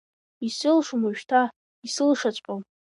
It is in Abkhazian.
Исылшом уажәшьҭа, исылшаҵәҟьом…